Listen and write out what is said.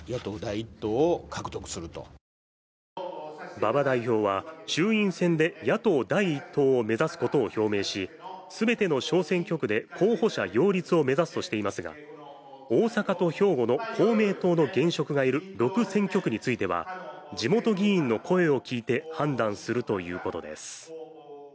馬場代表は、衆院選で野党第１党を目指すことを表明し、全ての小選挙区で候補者擁立を目指すとしていますが、大阪と兵庫の公明党の現職がいる６選挙区については地元議員の声を聞いて判断するということです。